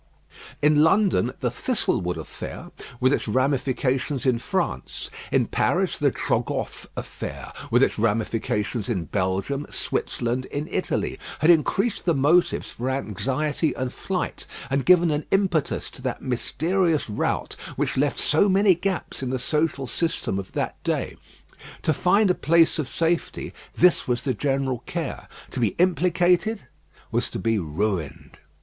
In London the Thistlewood affair, with its ramifications in France: in Paris the Trogoff trial, with its ramifications in Belgium, Switzerland, and Italy, had increased the motives for anxiety and flight, and given an impetus to that mysterious rout which left so many gaps in the social system of that day. To find a place of safety, this was the general care. To be implicated was to be ruined.